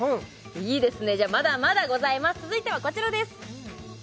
いいですねじゃあまだまだございます続いてはこちらです